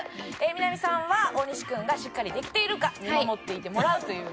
みな実さんは大西君がしっかりできているか見守っていてもらうという。